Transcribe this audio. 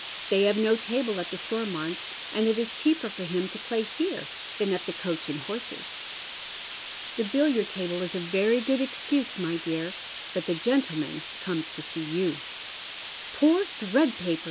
They have no table at the Stonnouts, and it in cheaper for him to play here than at the ' Coach and Horses.' "" The billiard table is a very good excuse, my dear, but the jfciitleman comes to see you." "Poor tliread paper!